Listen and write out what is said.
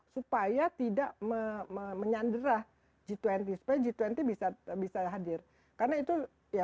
supaya tidak menyandera g dua puluh supaya g dua puluh bisa bisa hadir karena itu